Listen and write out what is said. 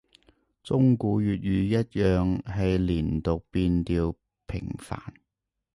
中古粵語一樣係連讀變調頻繁